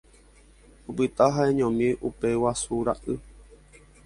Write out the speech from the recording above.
Opyta ha'eñomi upe guasu ra'y.